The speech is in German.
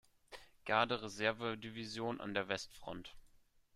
Garde-Reserve-Division an der Westfront.